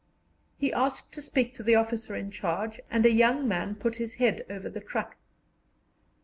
He asked to speak to the officer in charge, and a young man put his head over the truck.